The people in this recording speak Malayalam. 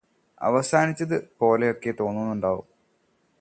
അവസാനിച്ചത് പോലെയൊക്കെ തോന്നുന്നുണ്ടാവും